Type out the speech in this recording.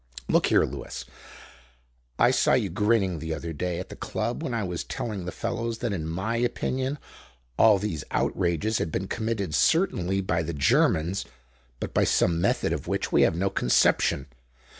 "Look here, Lewis, I saw you grinning the other day at the club when I was telling the fellows that in my opinion all these outrages had been committed, certainly by the Germans, but by some method of which we have no conception.